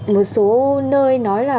một số nơi nói là